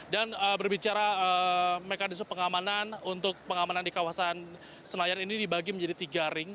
dan berbicara mekanisme pengamanan untuk pengamanan di kawasan senayan ini dibagi menjadi tiga ring